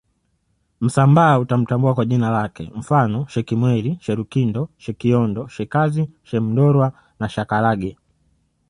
Msambaa utamtambua kwa jina lake mfano Shekimweli Sherukindo Shekiondo Shekazi Shemndorwa na shakalage